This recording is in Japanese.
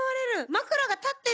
まくらが立ってる！